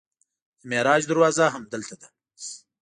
د معراج دروازه همدلته ده.